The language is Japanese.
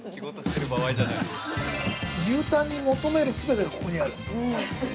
◆牛タンに求める全てがここにある。